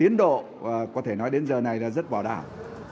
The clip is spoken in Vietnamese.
nói đến giờ này là rất bỏ đảo